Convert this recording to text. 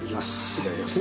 いただきます。